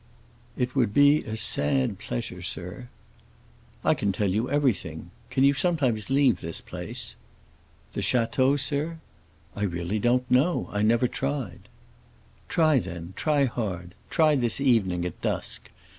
"It would be a sad pleasure, sir." "I can tell you everything. Can you sometimes leave this place?" "The château, sir? I really don't know. I never tried." "Try, then; try hard. Try this evening, at dusk.